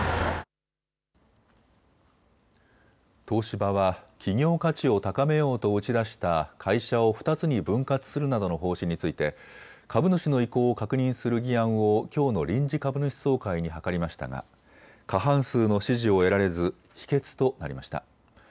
東芝は企業価値を高めようと打ち出した会社を２つに分割するなどの方針について株主の意向を確認する議案をきょうの臨時株主総会に諮りましたが過半数の支持を得られず否決となりました。